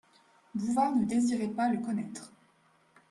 Bouvard ne désirait pas le connaître.